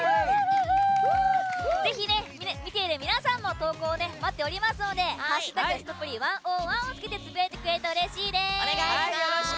ぜひ、見ている皆さんの投稿を待っておりますので「＃すとぷりわんおーわん」を付けてつぶやいてくれるとうれしいです！